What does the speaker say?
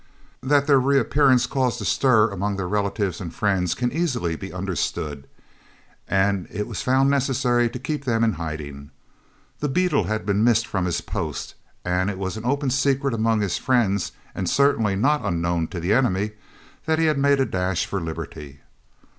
That their reappearance caused a stir amongst their relatives and friends can easily be understood, and it was found necessary to keep them in hiding. The beadle had been missed from his post, and it was an open secret among his friends and certainly not unknown to the enemy, that he had made a dash for liberty.